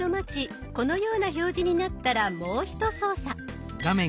このような表示になったらもうひと操作。